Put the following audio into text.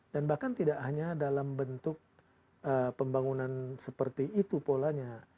dan bahkan tidak hanya dalam bentuk pembangunan seperti itu polanya